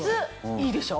いいでしょ？